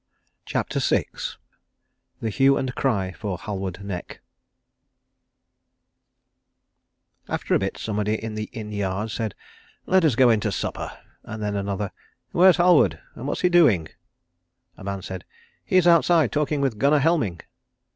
CHAPTER VI THE HUE AND CRY FOR HALWARD NECK After a bit somebody in the inn yard said, "Let us go in to supper"; and then another, "Where is Halward, and what is he doing?" A man said, "He is outside talking with Gunnar Helming."